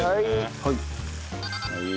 はい。